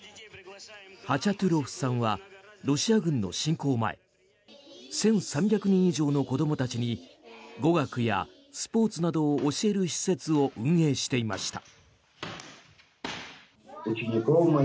ハチャトゥロフさんはロシア軍の侵攻前１３００人以上の子どもたちに語学やスポーツなどを教える施設を運営していました。